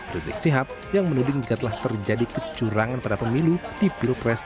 rizik sihab yang menuding jika telah terjadi kecurangan pada pemilu di pilpres dua ribu sembilan belas